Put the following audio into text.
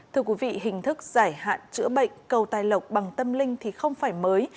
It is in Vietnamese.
thưa quý vị hình thức giải hạn chữa bệnh cầu tài lộc bằng tâm linh thì không phải mới